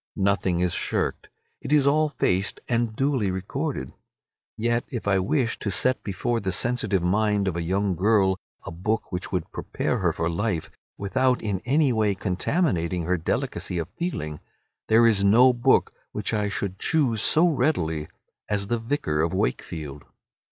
Nothing is shirked. It is all faced and duly recorded. Yet if I wished to set before the sensitive mind of a young girl a book which would prepare her for life without in any way contaminating her delicacy of feeling, there is no book which I should choose so readily as "The Vicar of Wakefield."